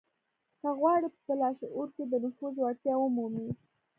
که غواړئ په لاشعور کې د نفوذ وړتيا ومومئ.